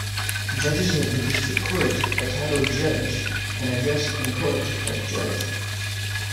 Judges of the District Court are titled "Judge" and addressed in Court as "Judge".